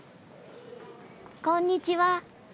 こんにちは。